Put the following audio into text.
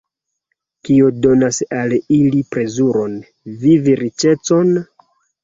Kio donas al ili plezuron, vivriĉecon?